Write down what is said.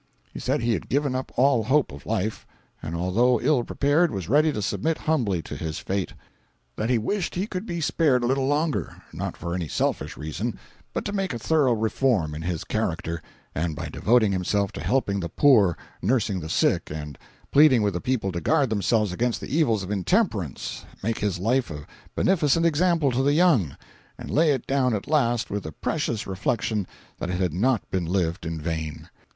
He said he had given up all hope of life, and although ill prepared, was ready to submit humbly to his fate; that he wished he could be spared a little longer, not for any selfish reason, but to make a thorough reform in his character, and by devoting himself to helping the poor, nursing the sick, and pleading with the people to guard themselves against the evils of intemperance, make his life a beneficent example to the young, and lay it down at last with the precious reflection that it had not been lived in vain.